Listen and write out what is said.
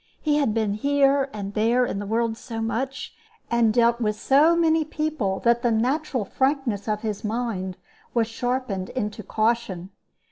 He had been here and there in the world so much, and dealt with so many people, that the natural frankness of his mind was sharpened into caution.